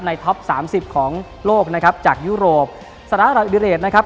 ในท็อปสามสิบของโลกนะครับจากยุโรปสถานาอัลอินเดรสนะครับ